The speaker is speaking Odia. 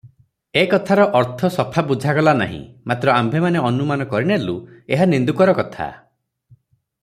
ଏ କଥାର ଅର୍ଥ ସଫା ବୁଝାଗଲା ନାହିଁ, ମାତ୍ର ଆମ୍ଭେମାନେ ଅନୁମାନ କରିନେଲୁ, ଏହା ନିନ୍ଦୁକର କଥା ।